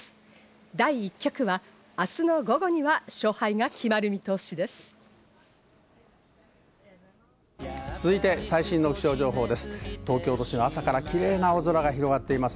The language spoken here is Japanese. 第１局は明日の午後には勝敗が決まる見通しです。